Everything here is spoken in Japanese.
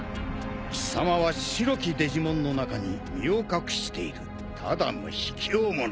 貴様は白きデジモンの中に身を隠しているただのひきょう者。